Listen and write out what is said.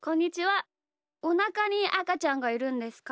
おなかにあかちゃんがいるんですか？